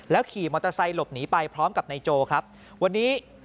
ขี่มอเตอร์ไซค์หลบหนีไปพร้อมกับนายโจครับวันนี้